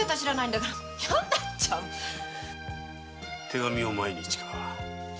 手紙を毎日か。